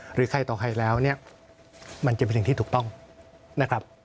หรือใครต่อใครแล้วเนี่ยมันจะเป็นสิ่งที่ถูกต้องนะครับ